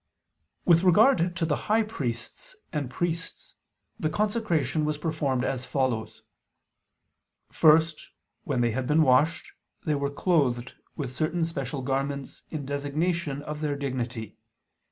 With regard to the high priests and priests the consecration was performed as follows. First, when they had been washed, they were clothed with certain special garments in designation of their dignity.